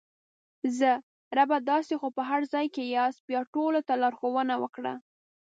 زه: ربه تاسې خو په هر ځای کې یاست بیا ټولو ته لارښوونه وکړه!